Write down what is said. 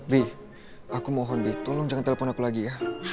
bi aku mohon bi tolong jangan telepon aku lagi ya